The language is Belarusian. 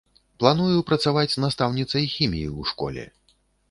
Планую працаваць настаўніцай хіміі ў школе.